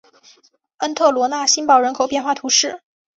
恩特罗讷新堡人口变化图示